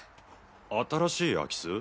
新しい空き巣？